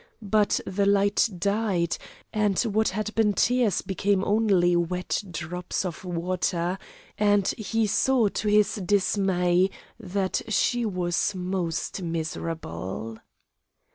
But the light died, and what had been tears became only wet drops of water, and he saw to his dismay that she was most miserable.